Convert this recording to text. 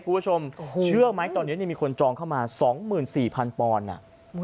คุณผู้ชมเชื่อไหมตอนนี้มีคนจองเข้ามา๒๔๐๐ปอนด์อ่ะ